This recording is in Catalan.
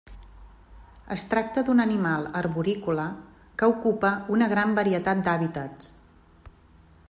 Es tracta d'un animal arborícola que ocupa una gran varietat d'hàbitats.